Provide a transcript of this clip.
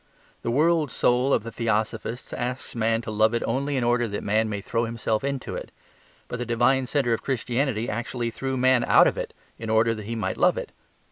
The world soul of the Theosophists asks man to love it only in order that man may throw himself into it. But the divine centre of Christianity actually threw man out of it in order that he might love it.